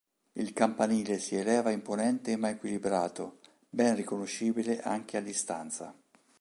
Il campanile si eleva imponente ma equilibrato, ben riconoscibile anche a distanza.